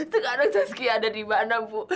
tengah tengah saskia ada di mana bu